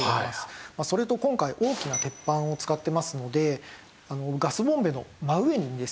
それと今回大きな鉄板を使ってますのでガスボンベの真上にですね